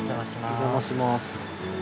お邪魔します。